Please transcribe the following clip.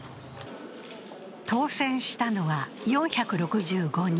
当選したのは４６５人。